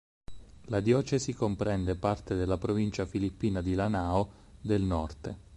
La diocesi comprende parte della provincia filippina di Lanao del Norte.